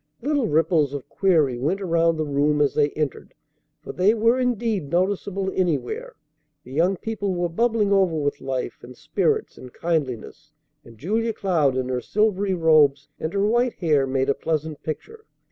Little ripples of query went around the room as they entered, for they were indeed noticeable anywhere. The young people were bubbling over with life and spirits and kindliness, and Julia Cloud in her silvery robes and her white hair made a pleasant picture.